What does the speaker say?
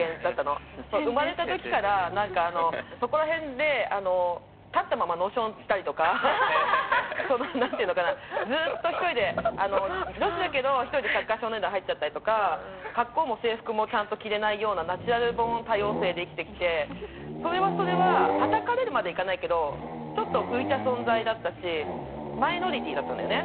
生まれた時から何かそこら辺で立ったまま野ションしたりとかその何て言うのかなずっと一人で女子だけど一人でサッカー少年団入っちゃったりとか格好も制服もちゃんと着れないようなナチュラルボーン多様性で生きてきてそれはそれはたたかれるまでいかないけどちょっと浮いた存在だったしマイノリティーだったんだよね